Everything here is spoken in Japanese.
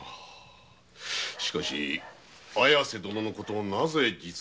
しかし綾瀬殿の事をなぜ実の母などと？